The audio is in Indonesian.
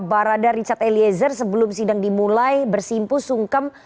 barada richard eliezer sebelum sidang dimulai bersimpu sungkem